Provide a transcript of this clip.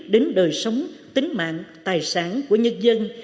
đến đời sống tính mạng tài sản của nhân dân